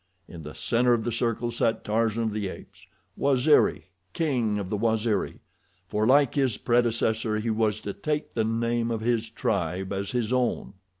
In the center of the circle sat Tarzan of the Apes—Waziri, king of the Waziri, for, like his predecessor, he was to take the name of his tribe as his own.